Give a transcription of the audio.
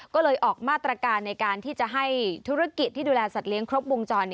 ก็เลยออกมาตรการในการที่จะให้ธุรกิจที่ดูแลสัตว์เลี้ยครบวงจร